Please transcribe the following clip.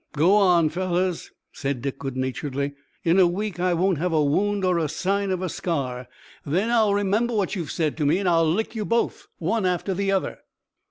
"Go on, fellows," said Dick, good naturedly. "In a week I won't have a wound or a sign of a scar. Then I'll remember what you've said to me and I'll lick you both, one after the other."